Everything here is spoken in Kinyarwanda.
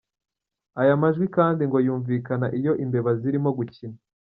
Aya majwi kandi ngo yumvikana iyo imbeba zirimo gukina.